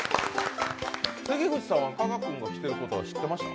関口さんは加賀君が来ていることは知ってましたか？